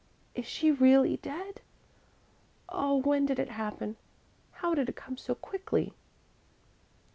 Is she really dead? Oh, when did it happen? How did it come so quickly?"